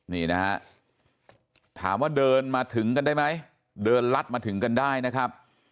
นี่นะฮะถามว่าเดินมาถึงกันได้ไหมเดินลัดมาถึงกันได้นะครับ